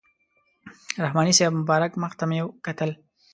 رحماني صاحب مبارک مخ ته مې کتل.